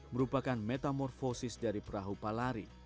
merupakan metamorfosis dari perahu palari